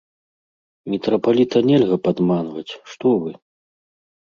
Мітрапаліта нельга падманваць, што вы!